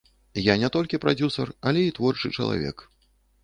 Я не толькі прадзюсар, але і творчы чалавек.